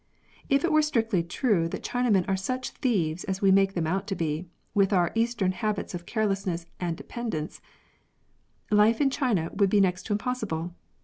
If it were strictly true that Chinamen are such thieves as we make them out to be, with our eastern habits of carelessness and dependence, life in China would be next to impossible.